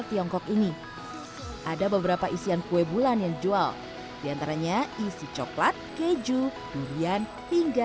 tiongkok ini ada beberapa isian kue bulan yang dijual diantaranya isi coklat keju durian hingga